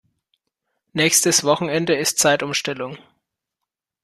Nächstes Wochenende ist Zeitumstellung.